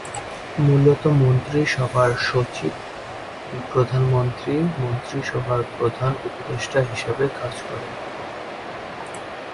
মূলত মন্ত্রিপরিষদ সচিব প্রধানমন্ত্রী/মন্ত্রিসভার প্রধান উপদেষ্টা হিসেবে কাজ করেন।